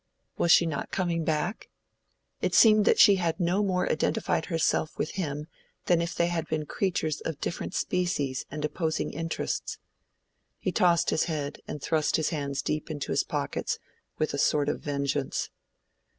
Was she not coming back? It seemed that she had no more identified herself with him than if they had been creatures of different species and opposing interests. He tossed his head and thrust his hands deep into his pockets with a sort of vengeance.